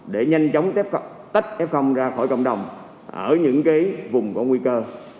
để nhanh chóng tách f ra khỏi cộng đồng ở những vùng có nguy cơ